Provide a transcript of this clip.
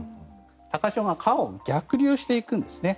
高潮が川を逆流していくんですね。